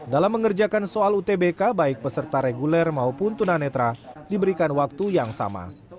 dalam mengerjakan soal utbk baik peserta reguler maupun tunanetra diberikan waktu yang sama